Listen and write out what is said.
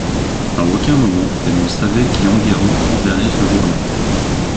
À aucun moment elle ne savait qui Enguerrand enverrait ce jour-là.